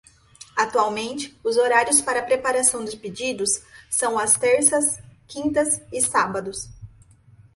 Atualmente, os horários para preparação de pedidos são às terças, quintas e sábados.